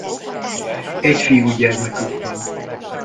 Egy fiúgyermekük van.